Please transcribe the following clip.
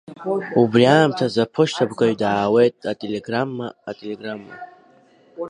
Убри аамҭазы аԥошьҭамҩангаҩ дааиуеит ателеграмма, ателеграмма!